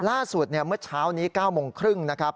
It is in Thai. ล่าสุดเมื่อเช้านี้๙โมงครึ่งนะครับ